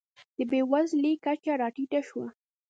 د بېوزلۍ کچه راټیټه شوه.